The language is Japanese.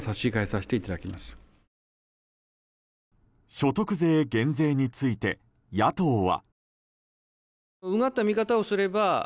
所得税減税について野党は。